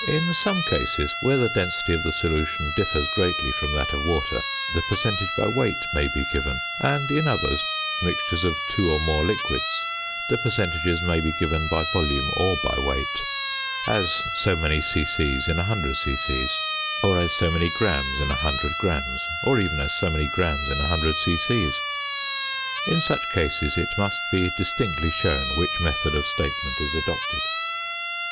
In some cases, where the density of the solution differs greatly from that of water, the percentage by weight may be given; and in others, mixtures of two or more liquids, the percentages may be given by volume or by weight; as so many c.c. in 100 c.c., or as so many grams in 100 grams, or even as so many grams in 100 c.c. In such cases it must be distinctly shown which method of statement is adopted.